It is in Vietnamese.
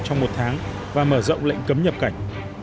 trong một tháng và mở rộng lệnh cấm nhập cảnh